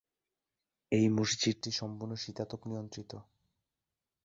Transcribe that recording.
এই মসজিদটি সম্পূর্ণ শীতাতপ নিয়ন্ত্রিত।